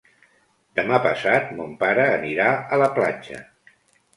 Demà passat mon pare anirà a la platja.